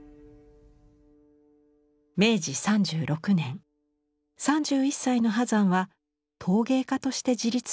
明治３６年３１歳の波山は陶芸家として自立することを決意します。